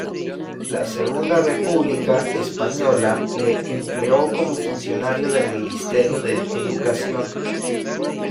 La Segunda República Española le empleó como funcionario del Ministerio de Educación.